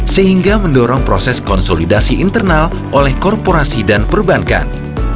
sehingga mendorong proses konsolidasi internal oleh korporasi dan perbankan